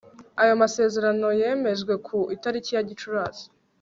ayo masezerano yemejwe ku itariki ya gicurasi